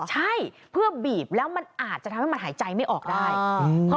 ใช่เพื่อบีบแล้วมันอาจจะทำให้มันหายใจไม่ออกได้